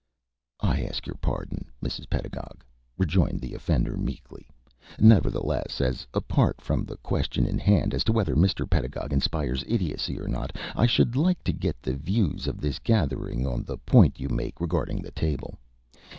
"I ask your pardon, Mrs. Pedagog," rejoined the offender, meekly. "Nevertheless, as apart from the question in hand as to whether Mr. Pedagog inspires idiocy or not, I should like to get the views of this gathering on the point you make regarding the table.